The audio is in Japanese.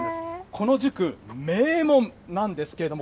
この塾、名門なんですけれども、